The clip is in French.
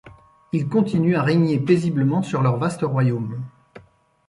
Ils continuent à régner paisiblement sur leur vaste royaume.